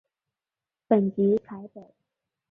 本籍台北。